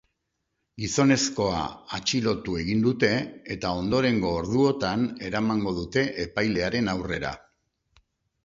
Gizonezkoa atxilotu egin dute, eta ondorengo orduotan eramango dute epailearen aurrera.